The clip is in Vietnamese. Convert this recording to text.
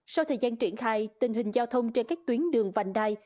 sau thời gian triển khai tình hình giao thông trên các tuyến đường vành đai